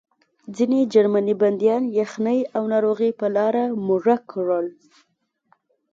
ځینې جرمني بندیان یخنۍ او ناروغۍ په لاره مړه کړل